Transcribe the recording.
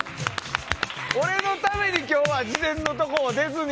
これのために今日は事前のところを出ずに。